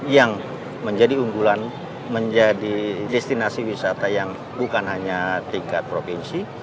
yang menjadi unggulan menjadi destinasi wisata yang bukan hanya tingkat provinsi